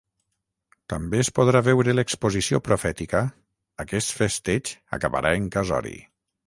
També es podrà veure l’exposició profètica Aquest festeig acabarà en casori.